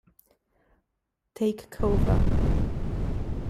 Take Cover